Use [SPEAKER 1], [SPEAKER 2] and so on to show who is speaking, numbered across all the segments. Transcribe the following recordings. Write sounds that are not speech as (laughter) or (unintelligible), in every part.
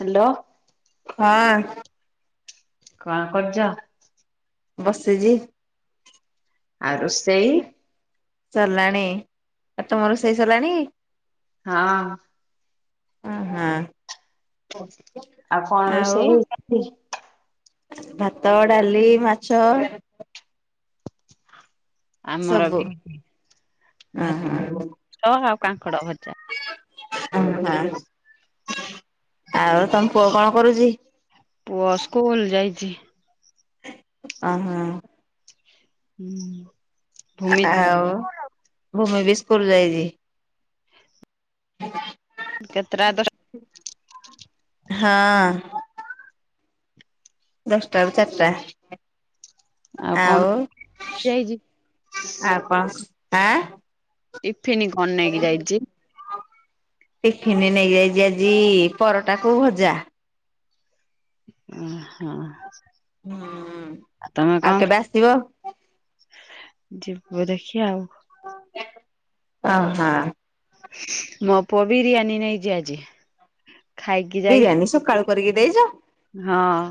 [SPEAKER 1] Hello.
[SPEAKER 2] ହଁ।
[SPEAKER 1] କଣ କରୁଛ?
[SPEAKER 2] ବସିଛି।
[SPEAKER 1] ଆଉ ରୋଷେଇ।
[SPEAKER 2] ସରିଲାଣି ଆଉ ତୁମ ରୋଷେଇ ସରିଲାଣି।
[SPEAKER 1] ହଁ।
[SPEAKER 2] ହ ହଁ। (inaudible)
[SPEAKER 1] ଆଉ କଣ ରୋଷେଇ ହେଇଛନ୍ତି।
[SPEAKER 2] ଭାତ ଡାଲି ମାଛ।
[SPEAKER 1] ଆମର
[SPEAKER 2] ସବୁ
[SPEAKER 1] ବି
[SPEAKER 2] ଅହଁ
[SPEAKER 1] ଭାତ ଆଉ କାଙ୍କଡ ଭଜା।
[SPEAKER 2] ହଁ ଆଉ ତମ ପୁଅ କଣ କରୁଚି?
[SPEAKER 1] ପୁଅ ସ୍କୁଲ ଯାଇଚି।
[SPEAKER 2] ଅ ହଁ।
[SPEAKER 1] ହୁଁ। ଭୂମି
[SPEAKER 2] ଆଉ ଭୂମି ବି ସ୍କୁଲ ଯାଇଚି। (unintelligible)
[SPEAKER 1] କେତେ ଟା ଦଷ (unintelligible)
[SPEAKER 2] ହଁ। ଦଶଟା ରୁ ଚାରିଟା। ଆଉ
[SPEAKER 1] ଯାଇଛି
[SPEAKER 2] ଆଉ କଣ ଆଁ
[SPEAKER 1] ଟିଫିନ କଣ ନେଇକି ଯାଇଚି?
[SPEAKER 2] ଟିଫିନ ନେଇଯାଇଚି ଆଜି ପରଟା କୁ ଭଜା।
[SPEAKER 1] ହଁ
[SPEAKER 2] ହୁଁ
[SPEAKER 1] ହଁ ତମେ
[SPEAKER 2] ଆଉ
[SPEAKER 1] କଣ?
[SPEAKER 2] କେବେ ଆସିବ?
[SPEAKER 1] ଯିବୁ ଦେଖି ଆଉ।
[SPEAKER 2] ଅ ହଁ।
[SPEAKER 1] ମୋ ପୁଅ ବିରିୟାନୀ ନେଇଚି ଆଜି। ଖାଇକି ଯାଇ
[SPEAKER 2] ବିରିୟାନୀ ସକାଳୁ କରିକି ଦେଇଚ।
[SPEAKER 1] ହଁ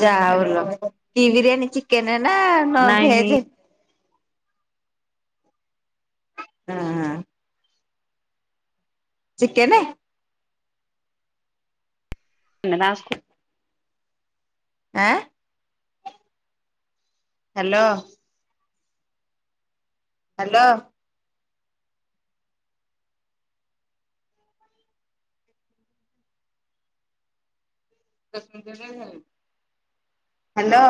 [SPEAKER 2] ଯାହଉଲୋ କି ବିରିୟାନୀ ଚିକେନେ ନା
[SPEAKER 1] ନାଇଁ
[SPEAKER 2] ଭେଜ। ଅ ହଁ। ଚିକେନେ।
[SPEAKER 1] (unintelligible)
[SPEAKER 2] ଆଁ। ହ୍ୟାଲୋ। ହ୍ୟାଲୋ। ହ୍ୟାଲୋ।